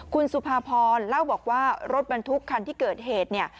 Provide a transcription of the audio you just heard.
คุณสุภาพรเล่าบอกว่ารถบรรทุกคันที่เกิดเหตุเนี่ย